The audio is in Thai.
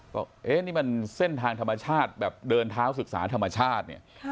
เอ๊ะนี่มันเส้นทางธรรมชาติแบบเดินเท้าศึกษาธรรมชาติเนี่ย